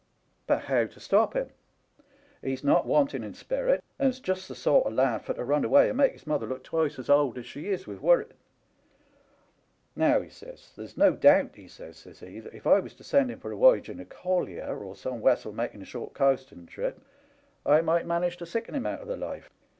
But how to stop him ? He's not wanting in sperrit, and's just the sort of lad for to run away and make his mother look twice as old as she is with worrit. Now,' he says, 'there's no doubt,' he says, says he, ' that if I was to send him for a woyage in a collier, or some wessel making a short coasting trip, I might manage to sicken him out of the life.